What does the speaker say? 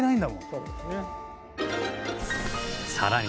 そうですね。